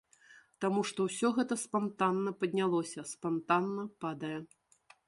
Таму што ўсё гэта спантанна паднялося, спантанна падае.